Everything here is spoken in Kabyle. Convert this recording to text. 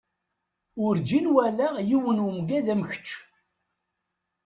Urǧin walaɣ yiwen umagad am kečč.